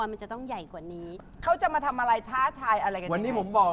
หมุนหมุน